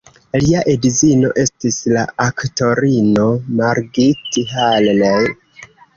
Lia edzino estis la aktorino Margit Haller.